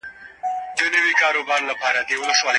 په دې اړه کره او باوري معلومات نه لرو.